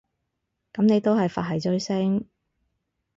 噉你都係佛系追星